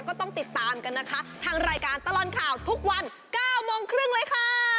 ก็ต้องติดตามกันนะคะทางรายการตลอดข่าวทุกวัน๙โมงครึ่งเลยค่ะ